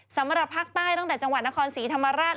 สำหรับภาคใต้ตั้งแต่จังหวัดนครศรีธรรมราช